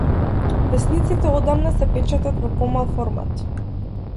Весниците одамна се печатат во помал формат.